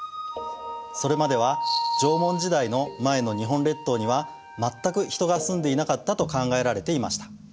それまでは縄文時代の前の日本列島には全く人が住んでいなかったと考えられていました。